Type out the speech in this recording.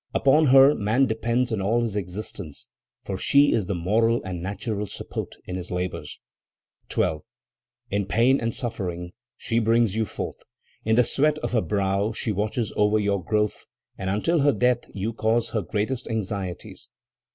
Upon her man depends in all his existence, for she is his moral and natural support in his labors. 12. "In pain and suffering she brings you forth; in the sweat of her brow she watches over your growth, and until her death you cause her greatest anxieties.